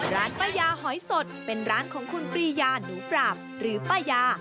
ร้านป้ายาหอยสดเป็นร้านของคุณปรียาหนูปราบหรือป้ายา